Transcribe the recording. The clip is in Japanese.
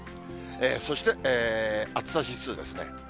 そして暑さ指数ですね。